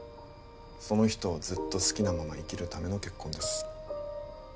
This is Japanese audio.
その人をずっと好きなまま生きるための結婚です